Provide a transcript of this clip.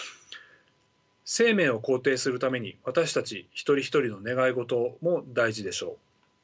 生命を肯定するために私たち一人一人の願い事も大事でしょう。